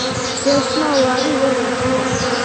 ზევსმა უარი ვერ უთხრა